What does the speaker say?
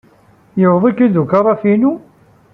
Yuweḍ-ik-id ukaraf-inu?